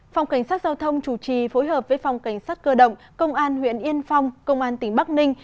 phòng cảnh sát giao thông chủ trì phối hợp với phòng cảnh sát cơ động công an huyện yên phong công an tỉnh bắc ninh